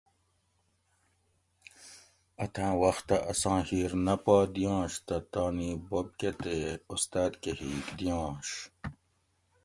اتاں وختہ اساں ھیر نہ پا دیونش تہ تانی بوب کہ تے استاد کہ ھیک دیونش